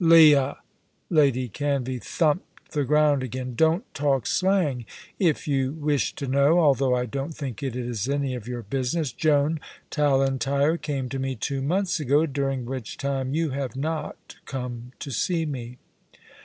"Leah!" Lady Canvey thumped the ground again. "Don't talk slang. If you wish to know, although I don't think it is any of your business, Joan Tallentire came to me two months ago, during which time you have not come to see me."